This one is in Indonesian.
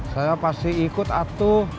saya pasti ikut atuh